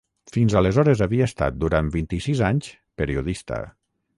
Fins aleshores havia estat, durant vint-i-sis anys, periodista.